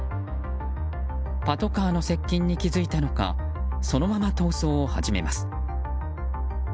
パトカーの接近に気付いたのかそのまま逃走を始めます。